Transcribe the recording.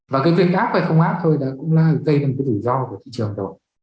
và cái việc áp hay không áp thôi cũng gây đến cái rủi ro của thị trường rồi